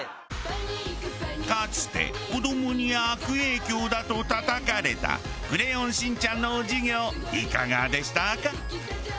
かつて子どもに悪影響だとたたかれた『クレヨンしんちゃん』の授業いかがでしたか？